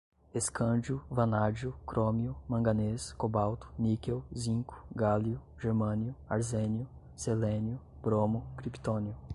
escândio, vanádio, crômio, manganês, cobalto, níquel, zinco, gálio, germânio, arsênio, selênio, bromo, criptônio